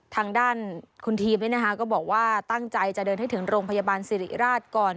ทางด้านคุณทีมก็บอกว่าตั้งใจจะเดินให้ถึงโรงพยาบาลสิริราชก่อน